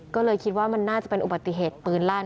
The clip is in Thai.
ก็เลยคิดว่ามันน่าจะเป็นอุบัติเหตุปืนลั่น